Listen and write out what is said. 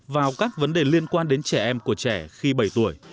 vào các vấn đề liên quan đến trẻ em của trẻ khi bảy tuổi